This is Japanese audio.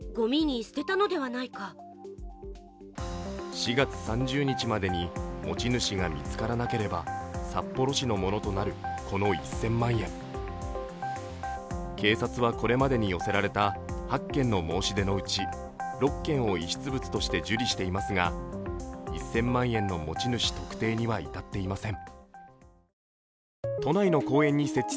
４月３０日までに持ち主が見つからなければ札幌市のものとなる、この１０００万円警察はこれまでに寄せられた８件の申し出のうち６件を遺失物として受理していますが１０００万円の持ち主特定には至っていません。